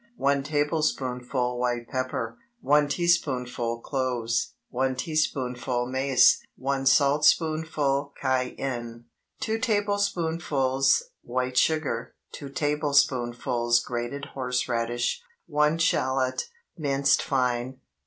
1 tablespoonful white pepper. 1 teaspoonful cloves. 1 teaspoonful mace. 1 saltspoonful cayenne. 2 tablespoonfuls white sugar. 2 tablespoonfuls grated horse radish. 1 shallot, minced fine.